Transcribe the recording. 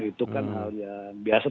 itu kan hal yang biasa